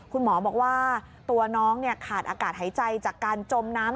คุณหมอบอกว่าตัวน้องขาดอากาศหายใจจากการจมน้ำ